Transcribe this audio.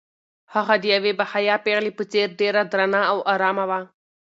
هغه د یوې باحیا پېغلې په څېر ډېره درنه او ارامه وه.